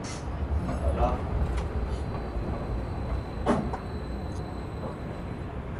The lists of what is controlled often arise from some harmonised regime.